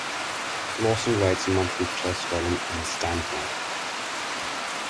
Lawson writes a monthly chess column in Standpoint.